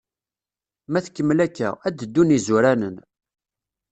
Ma tkemmel akka, ad d-ddun izuranen.